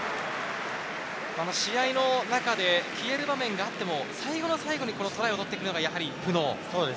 試合の中で消える場面があっても最後の最後でトライを取ってくるのがプノー。